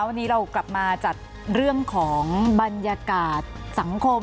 วันนี้เรากลับมาจัดเรื่องของบรรยากาศสังคม